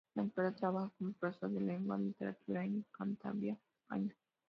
En la actualidad trabaja como profesor de lengua y literatura en Cantabria, España.